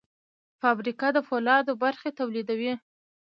فابریکه د فولادو برخې تولیدوي.